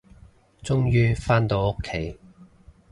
終於，返到屋企